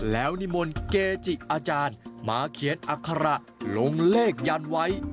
แล้วนิมนต์เกจิอาจารย์มาเขียนอัคระลงเลขยันไว้